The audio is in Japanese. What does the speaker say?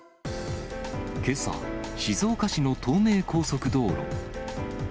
けさ、静岡市の東名高速道路。